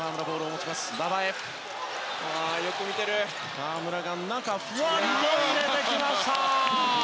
河村がふわりと入れてきました。